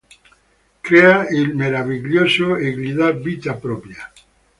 Crea il meraviglioso e gli dà vita propria.